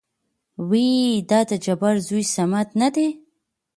ويېېې دا د جبار زوى صمد نه دى ؟